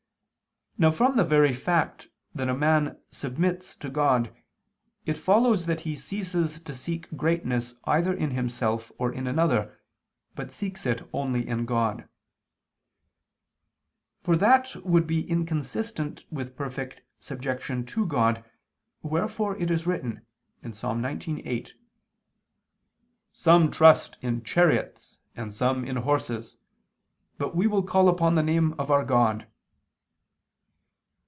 Now from the very fact that a man submits to God, it follows that he ceases to seek greatness either in himself or in another but seeks it only in God. For that would be inconsistent with perfect subjection to God, wherefore it is written (Ps. 19:8): "Some trust in chariots and some in horses; but we will call upon the name of ... our God."